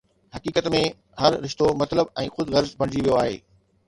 حقيقت ۾، هر رشتو مطلب ۽ خود غرض بڻجي ويو آهي